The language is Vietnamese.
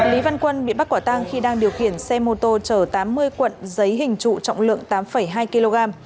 lý văn quân bị bắt quả tang khi đang điều khiển xe mô tô chở tám mươi cuộn giấy hình trụ trọng lượng tám hai kg